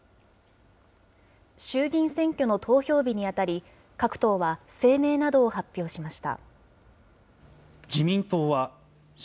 衆議院選挙の投票日にあたり、各党は声明などを発表しました。